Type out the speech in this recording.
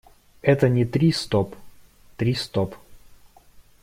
Это не «три – стоп», «три – стоп».